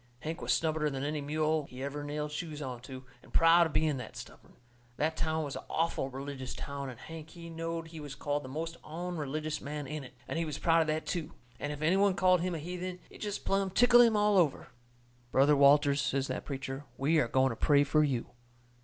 Hank was stubborner than any mule he ever nailed shoes onto, and proud of being that stubborn. That town was a awful religious town, and Hank he knowed he was called the most onreligious man in it, and he was proud of that too; and if any one called him a heathen it jest plumb tickled him all over. "Brother Walters," says that preacher, "we are going to pray for you."